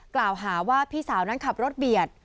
กล่าวหาว่าพี่สาวนั้นขับรถเบียด